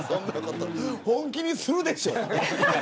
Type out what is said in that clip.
本気にするでしょ。